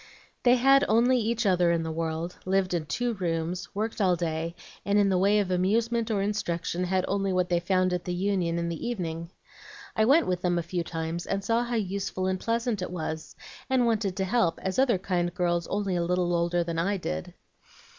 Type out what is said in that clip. They had only each other in the world, lived in two rooms, worked all day, and in the way of amusement or instruction had only what they found at the Union in the evening. I went with them a few times, and saw how useful and pleasant it was, and wanted to help, as other kind girls only a little older than I did.